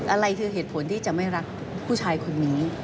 อะไรคือเหตุผลที่จะไม่รักผู้ชายคนนี้